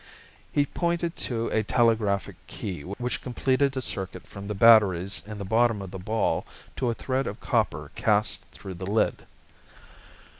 He pointed to a telegraphic key which completed a circuit from the batteries in the bottom of the ball to a thread of copper cast through the lid.